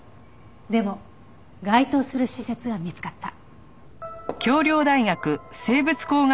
でも該当する施設は見つかった。